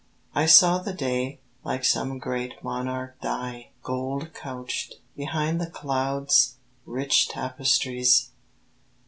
I saw the day like some great monarch die, Gold couched, behind the clouds' rich tapestries.